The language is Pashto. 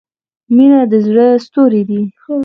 • مینه د زړۀ ستوری دی.